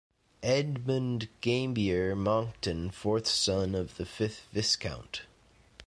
Edmund Gambier Monckton, fourth son of the fifth Viscount.